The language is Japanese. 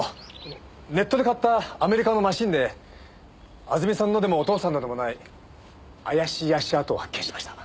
ネットで買ったアメリカのマシンであずみさんのでもお父さんのでもない怪しい足跡を発見しました。